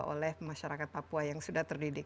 oleh masyarakat papua yang sudah terdidik